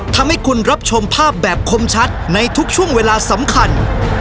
ทำให้คุณรับชมภาพแบบคมชัดในทุกช่วงเวลาสำคัญ